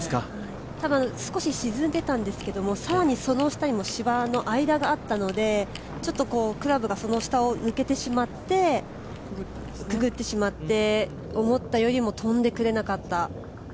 多分少し沈んでたんですけど、更にその下にも、芝の間があったのでちょっとクラブがその下を抜けてしまってくぐってしまって、思ったよりも飛んでくれなかった。